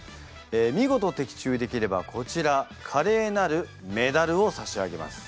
見事的中できればこちらカレーなるメダルを差し上げます。